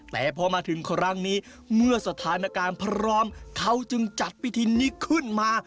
แต่พอมาถึงครั้งนี้เมื่อสถานการณ์พร้อมเขาจึงจัดพิธีนี้ขึ้นมา